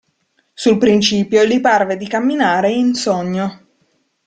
Sul principio gli parve di camminare in sogno.